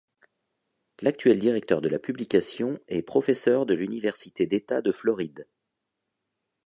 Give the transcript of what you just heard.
L'actuel directeur de la publication est professeur de l'université d'État de Floride.